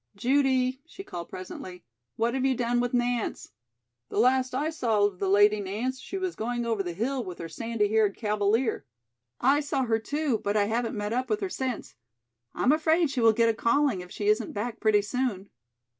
"Judy," she called presently, "what have you done with Nance?" "The last I saw of the Lady Nance she was going over the hill with her sandy haired cavalier." "I saw her, too, but I haven't met up with her since. I'm afraid she will get a 'calling' if she isn't back pretty soon."